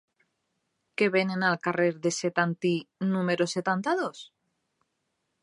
Què venen al carrer de Setantí número setanta-dos?